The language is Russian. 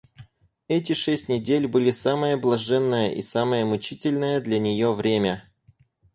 Эти шесть недель были самое блаженное и самое мучительное для нее время.